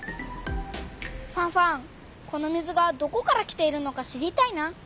ファンファンこの水がどこから来ているのか知りたいな。